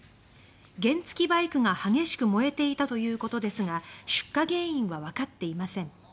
原付きバイクが激しく燃えていたということですが出火原因はわかっていません。